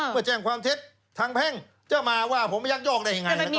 เพื่อแจ้งความเท็จทางแพ่งจะมาว่าผมไม่ยักยอกได้ยังไง